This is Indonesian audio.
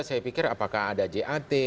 saya pikir apakah ada jat